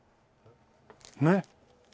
ねっ。